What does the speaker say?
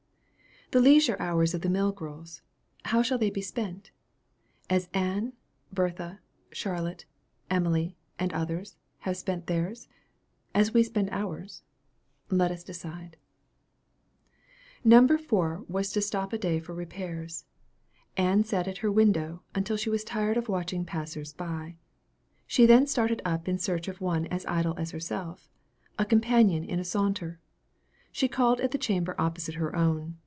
The leisure hours of the mill girls how shall they be spent? As Ann, Bertha, Charlotte, Emily, and others, spent theirs? as we spend ours? Let us decide. No. 4 was to stop a day for repairs. Ann sat at her window until she tired of watching passers by. She then started up in search of one idle as herself, for a companion in a saunter. She called at the chamber opposite her own.